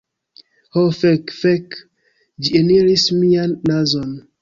Ho fek. Fek, ĝi eniris mian nazon.